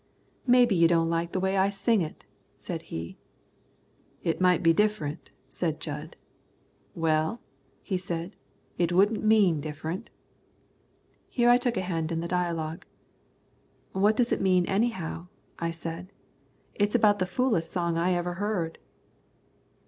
"Maybe you don't like the way I sing it," said he. "It might be different," said Jud. "Well," said he, "it wouldn't mean different." Here I took a hand in the dialogue. "What does it mean anyhow?" I said. "It's about the foolest song I ever heard."